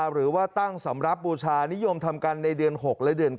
หรือว่าตั้งสำรับบูชานิยมทำกันในเดือน๖และเดือน๙